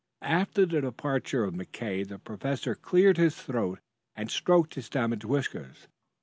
After the departure of McKay the professor cleared his throat and stroked his damaged whiskers.